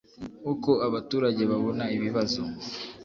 uko abaturage babona ibibazo